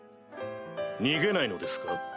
逃げないのですか？